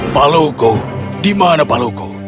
palu ku dimana palu ku